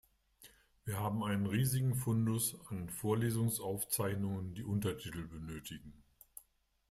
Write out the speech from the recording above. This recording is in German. Wir haben einen riesigen Fundus an Vorlesungsaufzeichnungen, die Untertitel benötigen.